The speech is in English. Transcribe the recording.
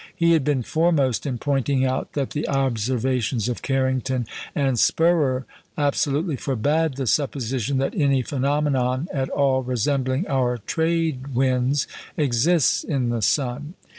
He had been foremost in pointing out that the observations of Carrington and Spörer absolutely forbade the supposition that any phenomenon at all resembling our trade winds exists in the sun.